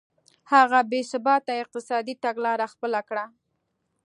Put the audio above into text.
هغه بې ثباته اقتصادي تګلاره خپله کړه.